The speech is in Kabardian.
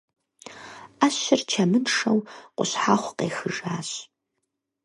Ӏэщыр чэмыншэу къущхьэхъу къехыжащ.